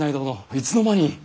いつの間に。